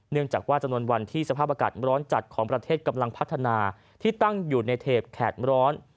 จากว่าจำนวนวันที่สภาพอากาศร้อนจัดของประเทศกำลังพัฒนาที่ตั้งอยู่ในเทปแขดร้อน